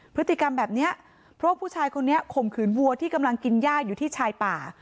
พฤติกรรมแบบนี้เพราะว่าผู้ชายคนนี้ข่มขืนวัวที่กำลังกินย่าอยู่ที่ชายป่า